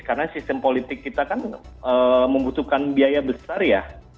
karena sistem politik kita kan membutuhkan biaya besar ya